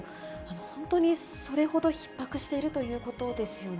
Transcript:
本当にそれほどひっ迫しているということですよね。